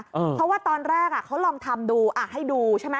เพราะว่าตอนแรกเขาลองทำดูอ่ะให้ดูใช่ไหม